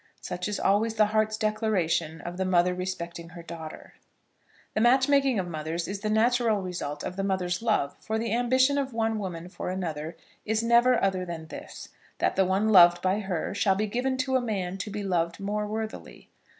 Such is always the heart's declaration of the mother respecting her daughter. The match making of mothers is the natural result of mother's love; for the ambition of one woman for another is never other than this, that the one loved by her shall be given to a man to be loved more worthily.